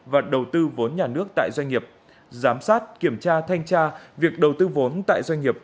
và đầu tư vốn nhà nước tại doanh nghiệp giám sát kiểm tra thanh tra việc đầu tư vốn tại doanh nghiệp